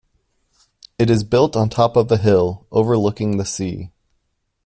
It is built on top of a hill, overlooking the sea.